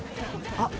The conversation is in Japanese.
「あっ」